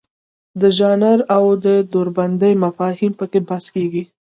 د ژانر او دوربندۍ مفاهیم پکې بحث کیږي.